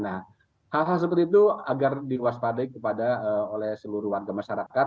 nah hal hal seperti itu agar diwaspadai kepada oleh seluruhan kemasyarakat